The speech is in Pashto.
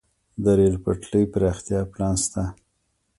د ریل پټلۍ پراختیا پلان شته